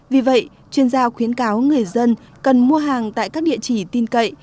vì vậy chuyên gia khuyến cáo người dân cần mua hàng tại các địa chỉ tin cậy